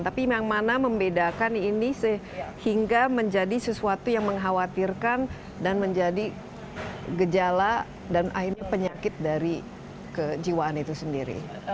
tapi yang mana membedakan ini sehingga menjadi sesuatu yang mengkhawatirkan dan menjadi gejala dan akhirnya penyakit dari kejiwaan itu sendiri